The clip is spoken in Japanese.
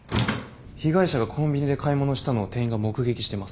被害者がコンビニで買い物したのを店員が目撃してます。